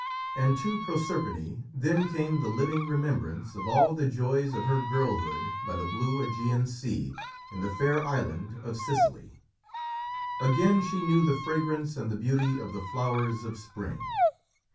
And to Proserpine then came the living remembrance of all the joys of her girlhood by the blue Ægean Sea in the fair island of Sicily. Again she knew the fragrance and the beauty of the flowers of spring.